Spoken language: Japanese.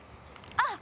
あっ。